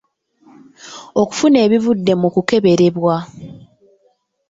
Okufuna ebivudde mu kukeberebwa.